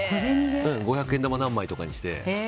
五百円玉、何枚とかにして。